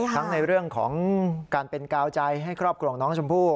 ทั้งในเรื่องของการเป็นกาวใจให้ครอบครัวของน้องชมพู่